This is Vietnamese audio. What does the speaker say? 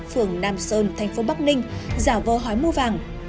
phường nam sơn tp bắc ninh giả vơ hói mua vàng